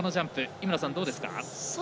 井村さん、どうですか？